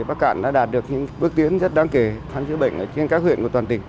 bắc cạn đã đạt được những bước tiến rất đáng kể khám chữa bệnh trên các huyện của toàn tỉnh